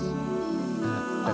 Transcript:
tete tinggal dimana